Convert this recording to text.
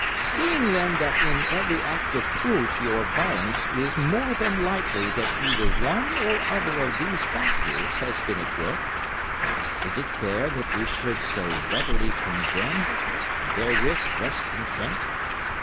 Seeing, then, that in every act of cruelty or violence it is more than likely that either one or other of these factors has been at work, is it fair that we should so readily condemn and therewith rest content?